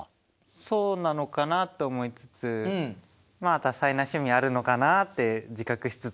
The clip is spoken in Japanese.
そうなのかなと思いつつまあ多彩な趣味あるのかなって自覚しつつ。